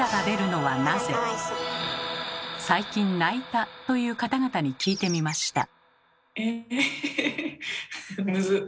最近泣いたという方々に聞いてみました。